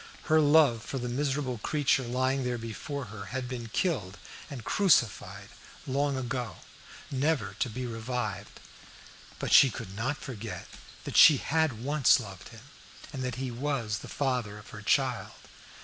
Her love for the miserable creature lying there before her had been killed and crucified long ago, never to be revived. But she could not forget that she had once loved him, and that he was the father of her child.